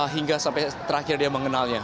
hingga sampai terakhir dia mengenalnya